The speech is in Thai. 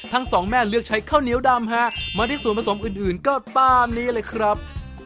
ทั้งสองแม่เลือกใช้ข้าวเหนียวดำฮะมาที่ส่วนผสมอื่นก็ตามนี้เลยครับ